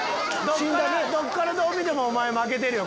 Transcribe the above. どっからどう見てもお前負けてるよ